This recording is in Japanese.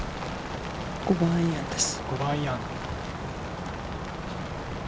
５番アイアンです。